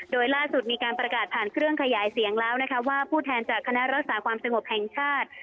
โดยล่าสุดมีการประกาศผ่านเครื่องขยายเสียงแล้วนะคะว่าผู้แทนจากคณะรักษาความสงบแห่งชาติ